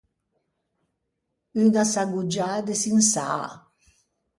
Unna sagoggiâ de çinsaa.